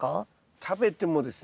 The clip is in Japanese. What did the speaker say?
食べてもですね